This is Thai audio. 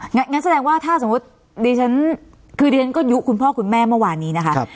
งั้นแสดงว่าถ้าสมมุติคือดิฉันก็ยุคุณพ่อคุณแม่เมื่อวานนี้นะคะ